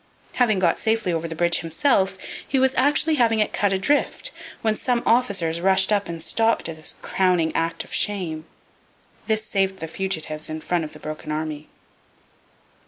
Having got safely over the bridge himself, he was actually having it cut adrift, when some officers rushed up and stopped this crowning act of shame. This saved the fugitives in front of the broken army.